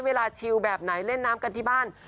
เวลาชิวแบบไหนเล่นน้ำกันที่บ้าน